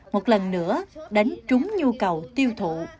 một lần nữa đánh trúng nhu cầu tiêu thụ